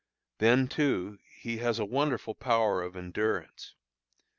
Then, too, he has a wonderful power of endurance.